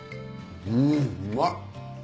うんうまっ！